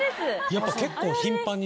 やっぱ結構。